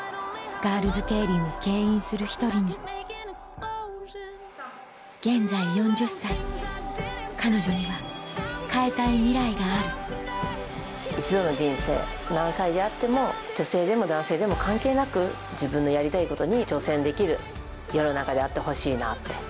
ガールズケイリンをけん引する１人に現在４０歳彼女には変えたいミライがある一度の人生何歳であっても女性でも男性でも関係なく自分のやりたいことに挑戦できる世の中であってほしいなって。